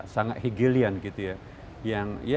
sangat hegelian gitu ya